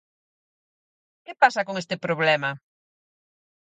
¿Que pasa con este problema?